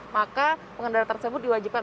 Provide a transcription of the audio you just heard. maka pengendara tersebut diwajibkan